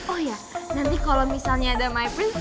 oh iya nanti kalo misalnya ada my prince